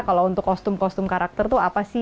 kalau untuk kostum kostum karakter tuh apa sih